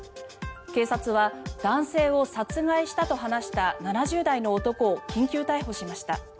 警察は、男性を殺害したと話した７０代の男を緊急逮捕しました。